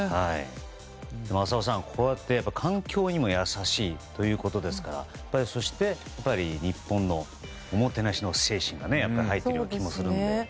浅尾さん、こうやって環境にも優しいということですからそして、日本のおもてなしの精神が入っている気もしますね。